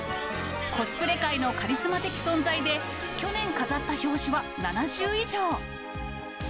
コスプレ界のカリスマ的存在で、去年、飾った表紙は７０以上。